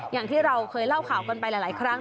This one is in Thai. อย่างที่เราเคยเล่าข่าวกันไปหลายครั้ง